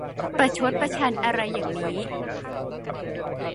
ประชดประชันอะไรอย่างนี้ !